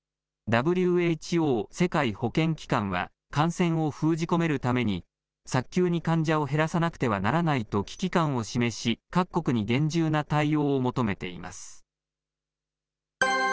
ＷＨＯ・世界保健機関は感染を封じ込めるために、早急に患者を減らさなくてはならないと危機感を示し、各国に厳重な対応を求めています。